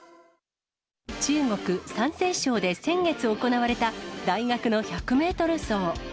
中国・山西省で先月行われた大学の１００メートル走。